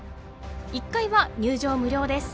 １階は入城無料です。